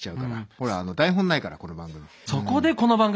ほら台本ないからこの番組。